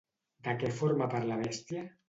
De què forma part la bèstia?